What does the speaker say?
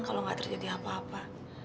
kalau nggak terjadi apa apa